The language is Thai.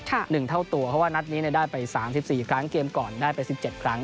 หนึ่งเท่าตัวเพราะว่านัดนี้ได้ไป๓๔ครั้งเกมก่อนได้ไป๑๗ครั้ง